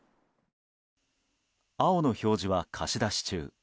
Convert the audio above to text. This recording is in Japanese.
青の表示は貸し出し中。